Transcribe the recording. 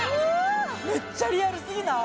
むっちゃリアルすぎない？